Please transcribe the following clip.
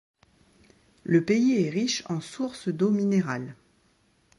Le pays est riche en sources d’eau minérale.